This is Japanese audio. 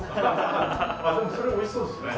それおいしそうですね。